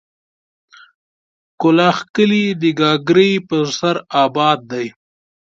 کلاخ کلي د گاگرې په سر اباد دی.